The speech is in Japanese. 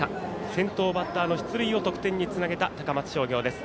先頭バッターの出塁を得点につなげた高松商業です。